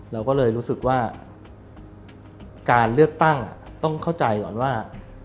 เราก็เลยรู้สึกว่าการเลือกตั้งต้องเข้าใจก่อนว่า